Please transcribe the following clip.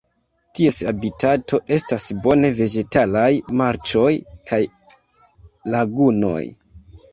Ties habitato estas bone vegetalaj marĉoj kaj lagunoj.